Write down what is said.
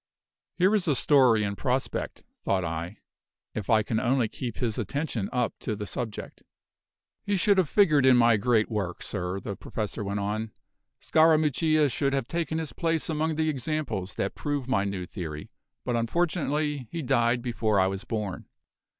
"Here is a story in prospect," thought I, "if I can only keep his attention up to the subject." "He should have figured in my great work, sir," the Professor went on. "Scarammuccia should have taken his place among the examples that prove my new theory; but unfortunately he died before I was born.